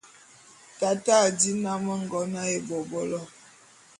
Tate a dí nnám ngon ā ebôbolo.